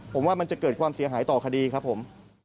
ผมว่ามันจะเกิดความเสียหายต่อคดีครับผม